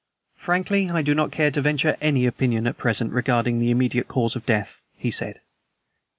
"Frankly, I do not care to venture any opinion at present regarding the immediate cause of death," he said.